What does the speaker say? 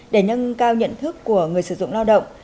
để nâng cao nhận thức của người sử dụng lao động